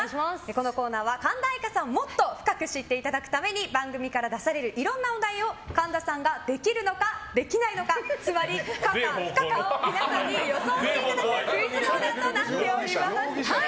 このコーナーは神田愛花さんをもっと深く知っていただくために番組から出されるいろんなお題を神田さんができるのかできないのかつまり可か不可かを皆さんに予想してもらうクイズコーナーとなっております。